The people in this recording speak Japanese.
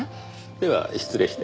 では失礼して。